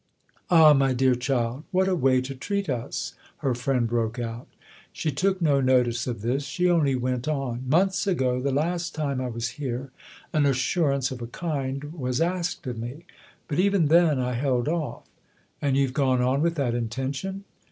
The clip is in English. "Ah, my dear child, what a way to treat us !" her friend broke out. She took no notice of this ; she only went on :" Months ago the last time I was here an assurance, of a kind, was asked of me. But even then I held off." "And you've gone on with that intention